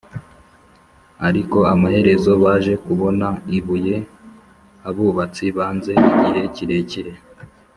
ariko amaherezo baje kubona ibuye abubatsi banze igihe kirekire